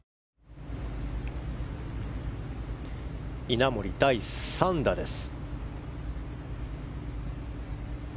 稲森、第３打です。